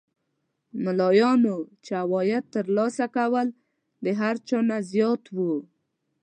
ملایانو چې عواید تر لاسه کول د هر چا نه زیات وو.